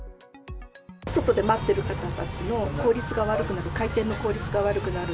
外で待ってる方たちの効率が悪くなる、回転の効率が悪くなる。